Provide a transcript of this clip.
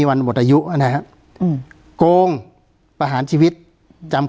การแสดงความคิดเห็น